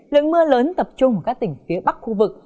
lượng mưa lớn tập trung ở các tỉnh phía bắc khu vực